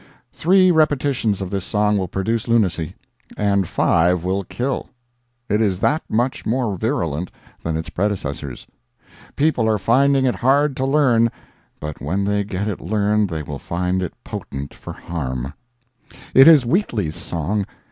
Three repetitions of this song will produce lunacy, and five will kill—it is that much more virulent than its predecessors. People are finding it hard to learn, but when they get it learned they will find it potent for harm. It is Wheatleigh's song.